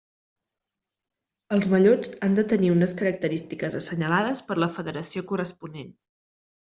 Els mallots han de tenir unes característiques assenyalades per la federació corresponent.